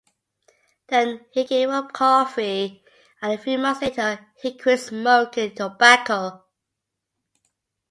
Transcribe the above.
Then he gave up coffee and a few months later he quit smoking tobacco.